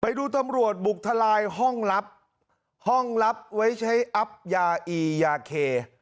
ตำรวจบุกทลายห้องลับห้องลับไว้ใช้อัพยาอียาเค